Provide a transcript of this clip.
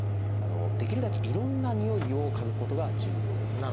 できるだけいろんなにおいを嗅ぐことが重要です。